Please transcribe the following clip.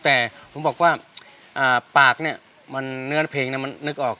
แต่ผมบอกว่าปากเนี่ยเนื้อเพลงมันนึกออก